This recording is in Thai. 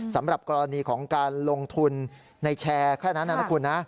สำหรับกรณีของการลงทุนในแชร์แค่นั้นนะคุณนะ